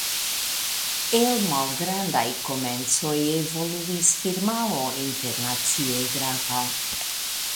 El malgrandaj komencoj evoluis firmao internacie grava.